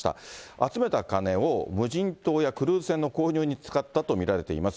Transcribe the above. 集めた金を無人島やクルーズ船の購入に使ったと見られています。